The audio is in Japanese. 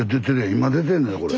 今出てんのよこれ。